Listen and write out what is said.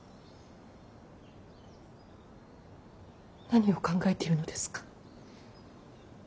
何を考えているのですか。